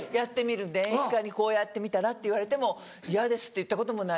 ディレクターに「こうやってみたら？」って言われて「嫌です」って言ったこともない